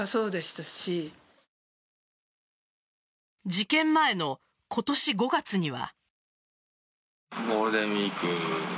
事件前の今年５月には。